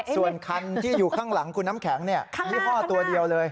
ส่วนคันที่อยู่ข้างหลังคุณน้ำแข็งยี่ห้อตัวเดียวเลย